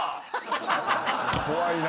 怖いな。